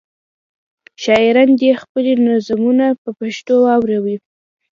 شاعران دې خپلې نظمونه په پښتو واوروي.